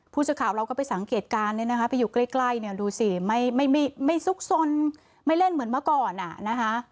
ผู้สื่อข่าวเราก็ไปสังเกตการณ์เนี่ยนะคะไปอยู่ใกล้เนี่ยดูสิไม่ซุกซนไม่เล่นเหมือนเมื่อก่อนอ่ะนะคะ